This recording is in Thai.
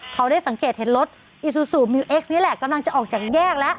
เขาได้สังเกตเห็นรถอีซูซูมิวเอ็กซนี้แหละกำลังจะออกจากแยกแล้ว